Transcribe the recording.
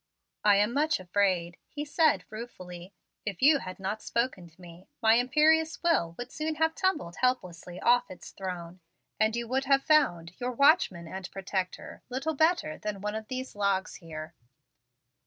"I am much afraid," he said, ruefully, "if you had not spoken to me, my imperious will would soon have tumbled helplessly off its throne, and you would have found your watchman and protector little better than one of these logs here."